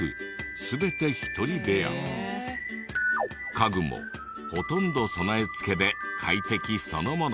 家具もほとんど備え付けで快適そのもの。